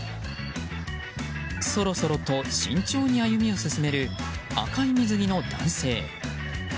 そろそろと慎重に歩みを進める赤い水着の男性。